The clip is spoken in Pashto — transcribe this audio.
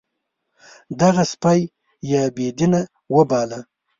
دغه سپی یې بې دینه وباله.